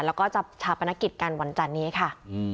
แล้วก็จะชาปนกิจกันวันจันนี้ค่ะ